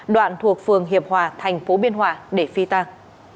đoạn thuộc phường hiệp hòa thành phố biên hòa để phi tang